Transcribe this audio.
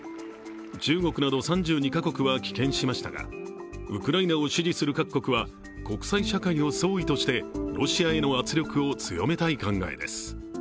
中国など３２か国は棄権しましたが、ウクライナを支持する各国は、国際社会の総意としてロシアへの圧力を強めたい考えです。